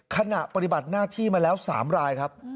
ขณะปฏิบัติหน้าที่มาแล้ว๓รายครับ